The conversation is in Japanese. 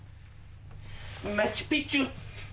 マチュピチュ！